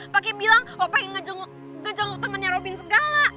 pake bilang lo pengen ngejenguk temennya robin segala